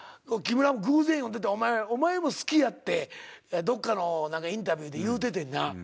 木村も偶然読んでてお前も好きやってどっかのインタビューで言うててんな。